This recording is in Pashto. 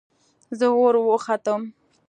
زه وروختم.